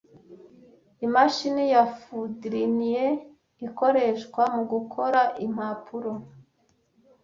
Imashini ya Foudrinier ikoreshwa mugukora Impapuro